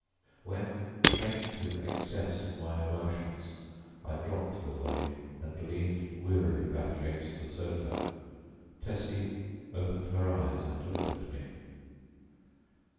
When, faint with excess of my emotions, I dropped the volume and leaned wearily back against the sofa, Tessie opened her eyes and looked at me....